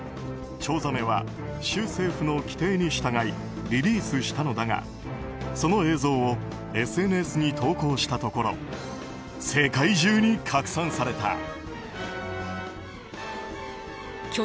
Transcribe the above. チョウザメは州政府の規定に従いリリースしたのだがその映像をＳＮＳに投稿したところ世界中に拡散された。